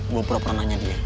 gua pura pura nanya dia